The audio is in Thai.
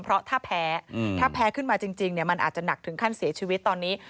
เพราะถ้าแพ้ถ้าแพ้ขึ้นมาจริงมันอาจจะหนักถึงขั้นเสียชีวิตตอนนี้